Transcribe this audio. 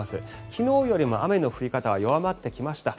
昨日よりも雨の降り方は弱まってきました。